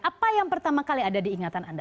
apa yang pertama kali ada diingatan anda